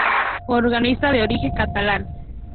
Organista de origen catalán.